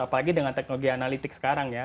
apalagi dengan teknologi analitik sekarang ya